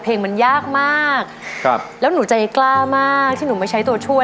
เพลงมันยากมากครับแล้วหนูใจกล้ามากที่หนูมาใช้ตัวช่วย